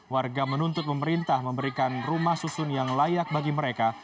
warga menuntut pemerintah memberikan rumah susun yang layak bagi mereka